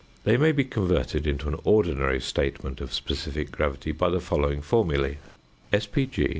They may be converted into an ordinary statement of specific gravity by the following formulæ: Sp. g.